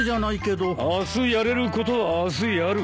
明日やれることは明日やる。